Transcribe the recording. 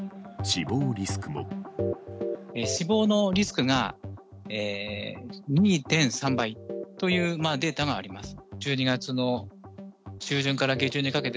死亡のリスクが２．３倍というデータがあります。